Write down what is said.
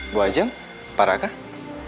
bu ajang parahkah